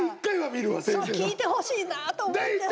聞いてほしいなと思って。